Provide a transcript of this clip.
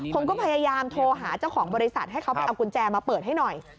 ผมก็พยายามโทรหาเจ้าของบริษัทให้เขาไปเอากุญแจมาเปิดให้หน่อย